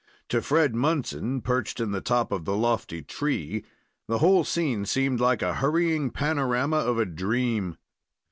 To Fred Munson, perched in the top of the lofty tree, the whole scene seemed like a hurrying panorama of a dream.